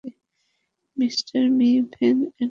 Mr Ven এলেন?